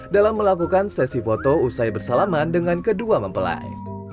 dalam melakukan sesi foto usai bersalaman dengan kedua mempelai